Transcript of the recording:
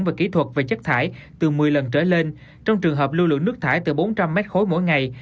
về kỹ thuật và chất thải từ một mươi lần trở lên trong trường hợp lưu lượng nước thải từ bốn trăm linh m khối mỗi ngày